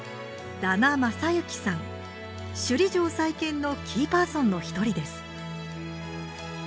首里城再建のキーパーソンの一人です。